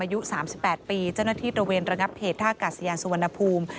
อายุ๓๘ปีเจ้าหน้าที่ตระเวนระงับเหตุท่ากาศยานสุวรรณภูมิ